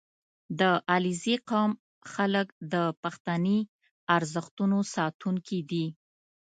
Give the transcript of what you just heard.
• د علیزي قوم خلک د پښتني ارزښتونو ساتونکي دي.